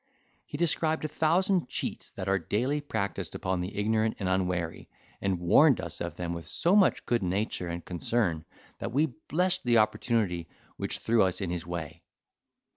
He described a thousand cheats that are daily practised upon the ignorant and unwary, and warned us of them with so much good nature and concern, that we blessed the opportunity which threw us in his way.